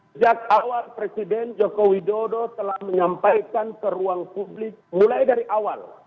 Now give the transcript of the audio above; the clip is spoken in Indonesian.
sejak awal presiden joko widodo telah menyampaikan ke ruang publik mulai dari awal